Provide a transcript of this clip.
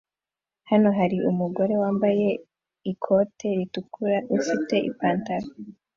Hano hari umugore wambaye ikote ritukura ufite ipantaro